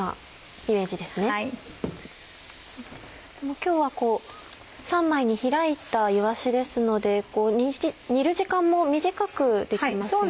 今日はこう３枚に開いたいわしですので煮る時間も短くできますよね。